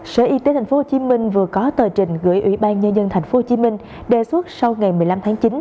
sở y tế tp hcm vừa có tờ trình gửi ủy ban nhân dân tp hcm đề xuất sau ngày một mươi năm tháng chín